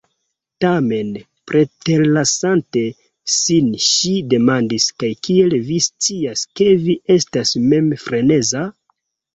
Tamen, preterlasante sin, ŝi demandis "kaj kiel vi scias ke vi estas mem freneza?"